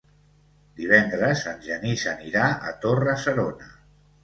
Divendres en Genís anirà a Torre-serona.